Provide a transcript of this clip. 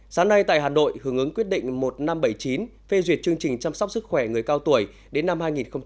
sáng nay tại hà nội hướng ứng quyết định một nghìn năm trăm bảy mươi chín phê duyệt chương trình chăm sóc sức khỏe người cao tuổi đến năm hai nghìn ba mươi